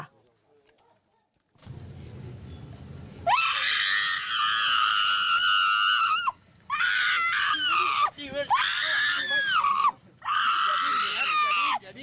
อ่า